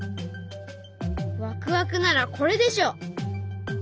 ワクワクならこれでしょ！